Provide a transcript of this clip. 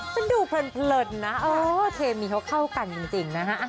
ฉันดูเพลินนะเออเคมีเขาเข้ากันจริงนะฮะ